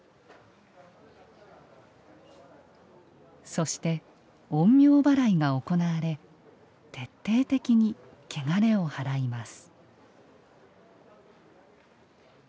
そして、陰陽ばらいが行われ徹底的にけがれをはらいます。